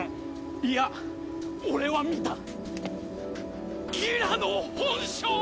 いや俺は見たギラの本性を！